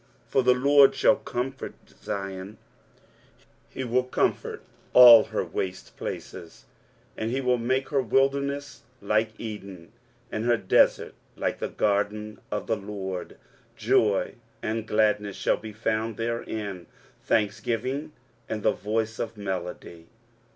23:051:003 For the LORD shall comfort Zion: he will comfort all her waste places; and he will make her wilderness like Eden, and her desert like the garden of the LORD; joy and gladness shall be found therein, thanksgiving, and the voice of melody.